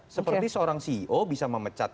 seperti seorang ceo bisa memecat